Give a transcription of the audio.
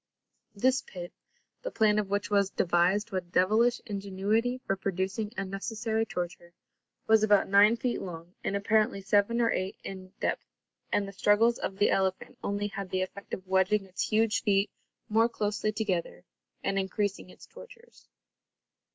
This pit, the plan of which was devised with devilish ingenuity for producing unnecessary torture, was about nine feet long and apparently seven or eight in depth, and the struggles of the elephant only had the effect of wedging its huge feet more closely together and increasing its tortures.